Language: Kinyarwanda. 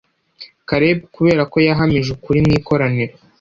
kalebu, kubera ko yahamije ukuri mu ikoraniro